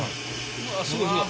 うわっすごいすごい。